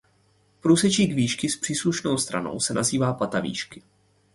Průsečík výšky s příslušnou stranou se nazývá pata výšky.